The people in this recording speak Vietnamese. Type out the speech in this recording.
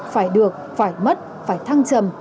phải được phải mất phải thăng trầm